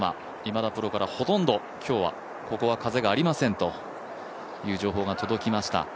今田プロから、ほとんど今日はここは風がありませんという情報が届きました。